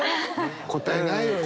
答えないよね。